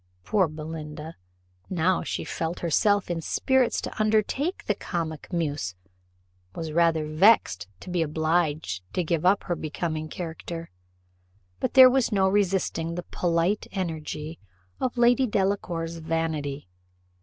Poor Belinda, now that she felt herself in spirits to undertake the comic muse, was rather vexed to be obliged to give up her becoming character; but there was no resisting the polite energy of Lady Delacour's vanity.